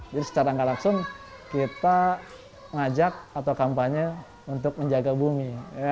jadi secara langsung kita mengajak atau kampanye untuk menjaga bumi